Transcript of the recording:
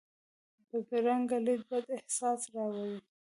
بدرنګه لید بد احساس راولي